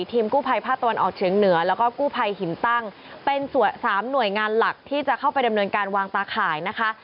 ทีมกู้ภัยภาคตะวันออกเฉียงเหนือแล้วก็กู้ภัยหินตั้งเป็นสามหน่วยงานหลักที่จะเข้าไปดำเนินการวางตาข่ายนะคะ